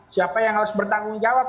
siapa yang harus bertanggung jawab